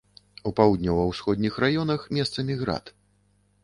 У паўднёва-ўсходніх раёнах месцамі град.